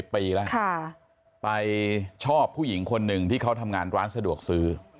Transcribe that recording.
ปีแล้วไปชอบผู้หญิงคนหนึ่งที่เขาทำงานร้านสะดวกซื้อ